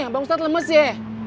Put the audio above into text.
bawang ustadz lemes ya